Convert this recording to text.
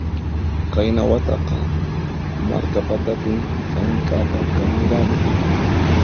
Qayna wataqa Markapatapin llamk'apakamurani